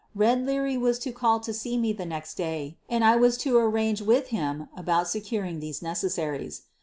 "Red" Leary was to call to see me the next day and I was to arrange with him about securing these necessaries.